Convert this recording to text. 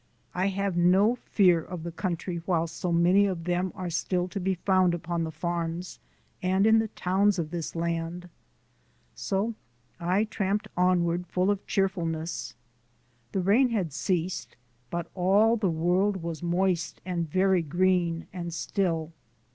I have no fear of the country while so many of them are still to be found upon the farms and in the towns of this land. So I tramped onward full of cheerfulness. The rain had ceased, but all the world was moist and very green and still.